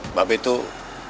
mbak b tuh